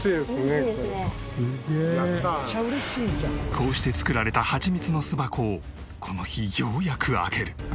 こうして作られたハチミツの巣箱をこの日ようやく開ける。